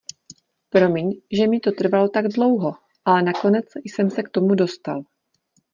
Promiň, že mi to trvalo tak dlouho, ale nakonec jsem se k tomu dostal.